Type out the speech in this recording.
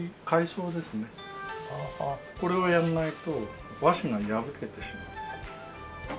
これをやらないと和紙が破けてしまう。